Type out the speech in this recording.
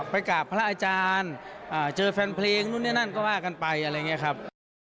กราบพระอาจารย์เจอแฟนเพลงนู่นนี่นั่นก็ว่ากันไปอะไรอย่างนี้ครับ